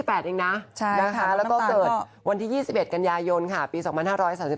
ไปไปดูเรื่องราวว่าจะได้ค้ายรับทรศพ